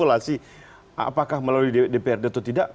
apakah melalui dprd atau tidak